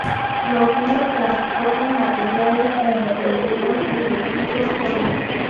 Los ríos transportan materiales en disolución y residuos sólidos.